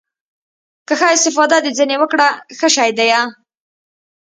که ښه استفاده دې ځنې وکړه ښه شى ديه.